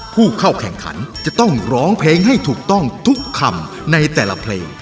ผู้เข้าแข่งขันจะต้องร้องเพลงให้ถูกต้องทุกคำในแต่ละเพลง